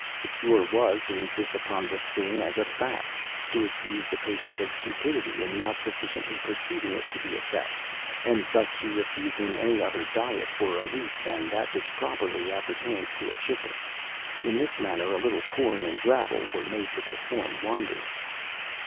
The cure was, to insist upon the thing as a fact—to accuse the patient of stupidity in not sufficiently perceiving it to be a fact—and thus to refuse him any other diet for a week than that which properly appertains to a chicken. In this manner a little corn and gravel were made to perform wonders."